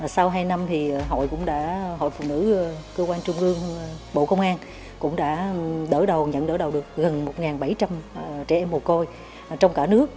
sau hai năm hội phụ nữ cơ quan trung ương bộ công an cũng đã nhận đỡ đầu được gần một bảy trăm linh trẻ em mồ côi trong cả nước